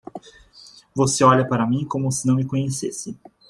Você olha para mim como se não me conhecesse.